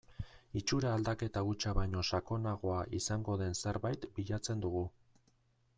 Itxura aldaketa hutsa baino sakonagoa izango den zerbait bilatzen dugu.